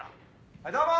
はいどうも！